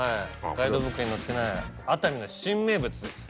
ガイドブックに載ってない熱海の新名物です。